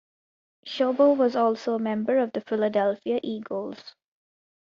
Schobel was also a member of the Philadelphia Eagles.